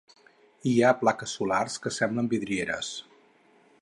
Hi ha plaques solars que semblen vidrieres.